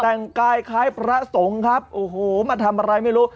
แต่งกายคล้ายพระสงฆ์ครับโอ้โหมาทำอะไรไม่รู้